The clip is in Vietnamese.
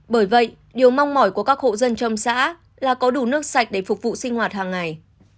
bởi vậy điều mong mỏi của các hộ dân trong xã là có đủ nước sạch để phục vụ sinh hoạt hàng ngày